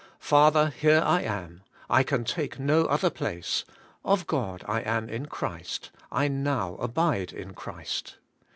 Father! here I am ; I can take no other place; of God I am in Christ; I now abide in Christ.'